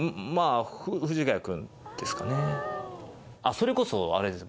それこそあれです